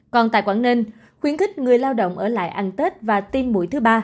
còn tại quảng ninh khuyến khích người lao động ở lại ăn tết và tiêm mũi thứ ba